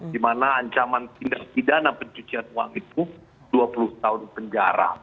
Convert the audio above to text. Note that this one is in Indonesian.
di mana ancaman tindak pidana pencucian uang itu dua puluh tahun penjara